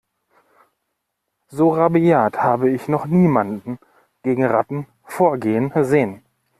So rabiat habe ich noch niemanden gegen Ratten vorgehen sehen.